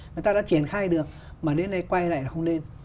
người ta đã triển khai được mà đến nay quay lại là không lên